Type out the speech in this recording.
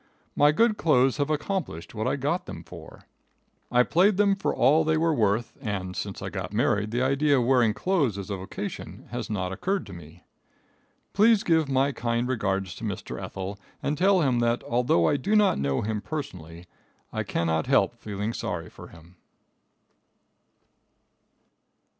My good clothes have accomplished what I got them for. I played them for all they were worth, and since I got married the idea of wearing clothes as a vocation has not occurred to me. Please give my kind regards to Mr. Ethel, and tell him that although I do not know him personally, I cannot help feeling sorry for him.